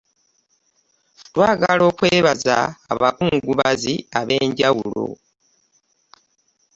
Twagala okwebaza abakungubazi ab'enjawulo